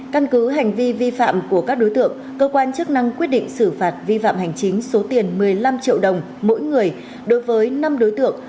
căn cứ hành vi vi phạm của các đối tượng cơ quan chức năng quyết định xử phạt vi phạm hành chính số tiền một mươi năm triệu đồng mỗi người đối với năm đối tượng